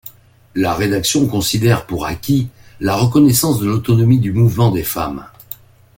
La rédaction considère pour acquis la reconnaissance de l'autonomie du mouvement des femmes.